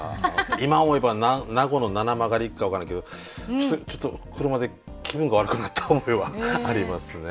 今思えば名護の七曲りか分かんないけどちょっと車で気分が悪くなった覚えはありますね。